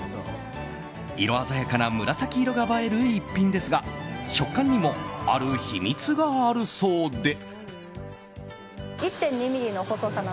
色鮮やかな紫色が映える一品ですが食感にもある秘密があるそうで。